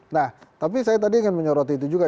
nah tapi saya tadi ingin menyoroti itu juga